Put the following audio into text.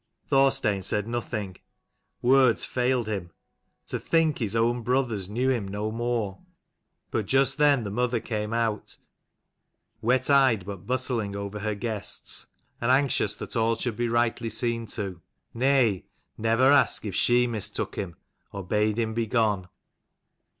Thorstein said nothing. Words failed him. To think his own brothers knew him no more ! 149 But just then the mother carne out, wet eyed, but bustling over her guests, and anxious that all should be rightly seen to. Nay, never ask if she mistook him, or bade him begone.